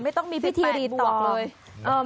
ไม่ต้องมีพี่ทีรีตอบ